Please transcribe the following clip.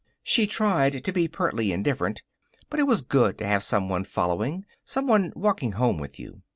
She tried to be pertly indifferent, but it was good to have someone following, someone walking home with you.